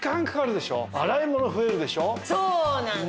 そうなんですよ。